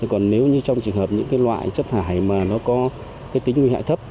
còn nếu như trong trường hợp những loại chất thải mà nó có tính nguy hại thấp